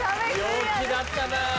陽気だったな。